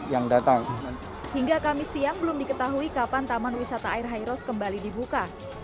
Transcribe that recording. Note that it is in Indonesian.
yang datang hingga kamis siang belum diketahui kapan taman wisata air hairos kembali dibuka